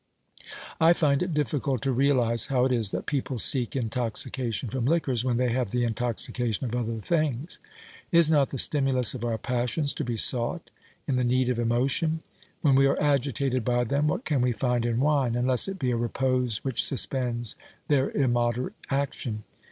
I find it difficult to realise how it is that people seek intoxication from liquors when they have the intoxication of other things. Is not the stimulus of our passions to be sought in the need of emotion ? When we are agitated by them, what can we find in wine, unless it be a repose which suspends their immoderate action